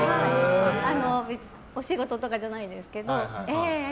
お仕事とかじゃないんですけど。